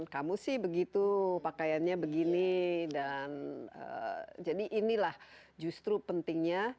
kamu sih begitu pakaiannya begini dan jadi inilah justru pentingnya